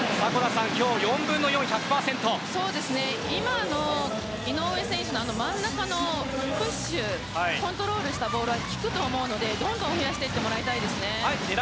今の井上選手の真ん中のプッシュコントロールしたボールが効くと思うのでどんどん増やしてほしいです。